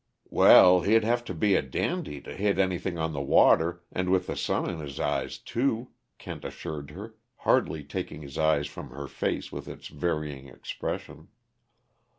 "Well, he'd have to be a dandy, to hit anything on the water, and with the sun in his eyes, too," Kent assured her, hardly taking his eyes from her face with its varying expression.